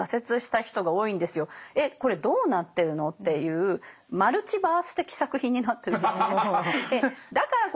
「えっこれどうなってるの？」っていうマルチバース的作品になってるんですね。